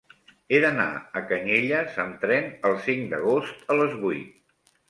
He d'anar a Canyelles amb tren el cinc d'agost a les vuit.